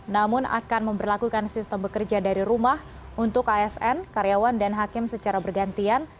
namun akan memperlakukan sistem bekerja dari rumah untuk asn karyawan dan hakim secara bergantian